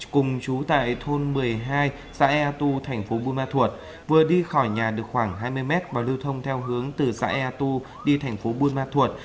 cùng chú tại thôn một mươi hai xã ea tu thành phố buôn ma thuột vừa đi khỏi nhà được khoảng hai mươi mét và lưu thông theo hướng từ xã ea tu đi thành phố buôn ma thuột